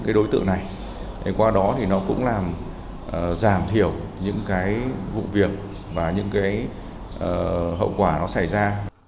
những đối tượng này qua đó cũng làm giảm thiểu những vụ việc và những hậu quả xảy ra